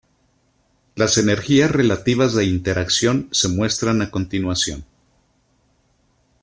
Las energías relativas de interacción se muestran a continuación.